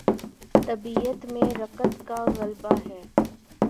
طبیعت میں رقت کا غلبہ ہے۔